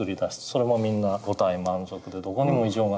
それもみんな五体満足でどこにも異常がないんです。